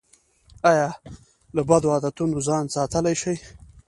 ایا له بدو عادتونو ځان ساتلی شئ؟